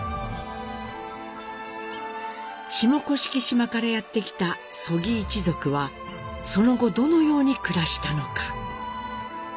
下甑島からやって来た曽木一族はその後どのように暮らしたのか？